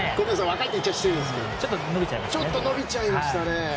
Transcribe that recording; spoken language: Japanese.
ちょっと伸びちゃいましたね。